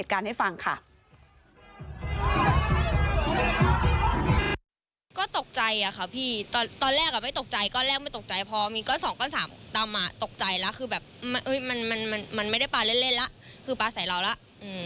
คือแบบมันไม่ได้ปลาเล่นแล้วคือปลาใส่เราแล้ว